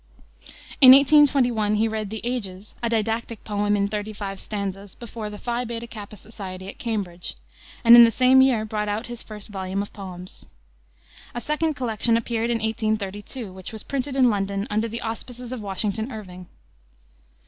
In 1821 he read the Ages, a didactic poem in thirty five stanzas, before the Phi Beta Kappa Society at Cambridge, and in the same year brought out his first volume of poems. A second collection appeared in 1832, which was printed in London under the auspices of Washington Irving.